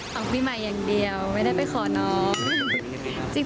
ของพี่ใหม่อย่างเดียวไม่ได้ไปขอน้อง